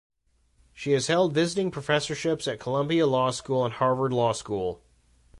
She has held visiting professorships at Columbia Law School and Harvard Law School.